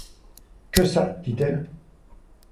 Que ça! dit-elle.